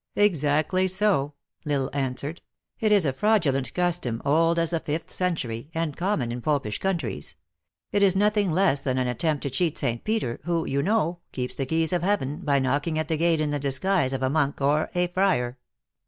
" Exactly so," L Isle answered ;" it is a fraudulent custom, old as the fifth century, and common in pop ish countries. It is nothing less than an attempt to cheat St. Peter, who, you know, keeps the keys of heaven, by knocking at the gate in the disguise of a monk or a friar.